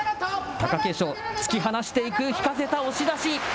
貴景勝、突き放していく、引かせた、押し出し。